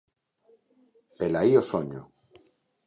Velaí o soño.